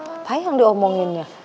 apa yang diomonginnya